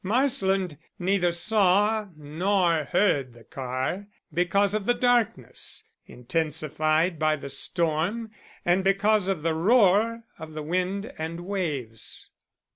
Marsland neither saw nor heard the car because of the darkness, intensified by the storm, and because of the roar of the wind and waves."